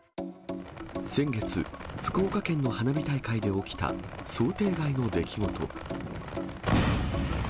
先月、福岡県の花火大会で起きた想定外の出来事。